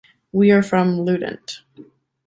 We are from Lludient.